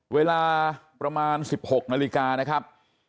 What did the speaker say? เวลาประมาณ๑๖นาฬิกานะครับ